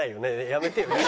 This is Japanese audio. やめてよ。